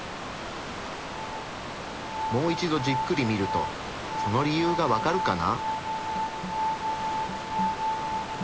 もう一度じっくり見るとその理由がわかるかな？